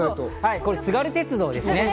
津軽鉄道ですね。